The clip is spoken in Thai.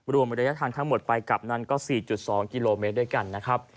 รวมระยะทางทั้งหมดไปกลับนั้นก็๔๒กิโลเมตรด้วยกันนะครับ